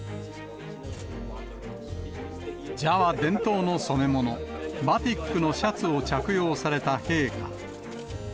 ジャワ伝統の染め物、バティックのシャツを着用された陛下。